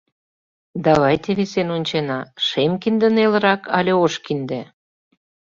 Давайте висен ончена: шем кинде нелырак але ош кинде.